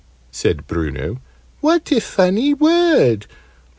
said Bruno. "What a funny word!